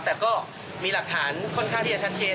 แต่ก็มีหลักฐานค่อนข้างที่จะชัดเจน